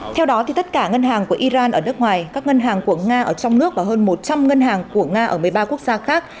theo đó tất cả ngân hàng của iran ở nước ngoài các ngân hàng của nga ở trong nước và hơn một trăm linh ngân hàng của nga ở một mươi ba quốc gia khác